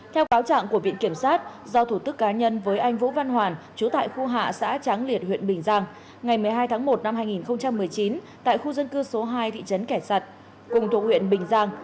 theo cáo trạng của viện kiểm sát do thủ tức cá nhân với anh vũ văn hoàn chú tại khu hạ xã tráng liệt huyện bình giang ngày một mươi hai tháng một năm hai nghìn một mươi chín tại khu dân cư số hai thị trấn kẻ sạt cùng thuộc huyện bình giang